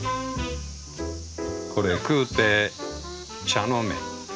「これ食うて茶のめ」。